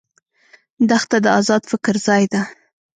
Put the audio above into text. دښته د آزاد فکر ځای ده.